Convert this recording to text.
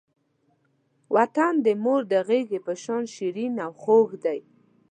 وطن د مور د غېږې په شان شیرین او خوږ وی.